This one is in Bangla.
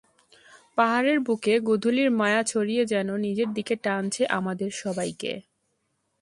পাহাড়ের বুকে গোধূলির মায়া ছড়িয়ে যেন নিজের দিকে টানছে আমাদের সবাইকে।